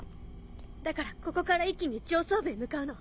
だからここから一気に上層部へ向かうの。